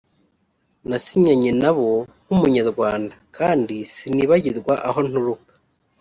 nasinyanye nabo nk’Umunyarwanda kandi sinibagirwa aho nturuka